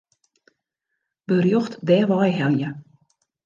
Berjocht dêrwei helje.